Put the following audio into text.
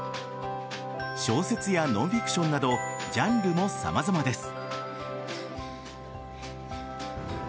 小説やノンフィクションなどジャンルも様々です。